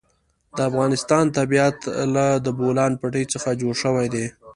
د افغانستان طبیعت له د بولان پټي څخه جوړ شوی دی.